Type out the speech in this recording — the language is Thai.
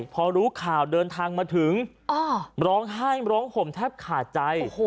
พอรู้ข่าวเดินทางมาถึงร้องไห้ร้องห่มแทบขาดใจ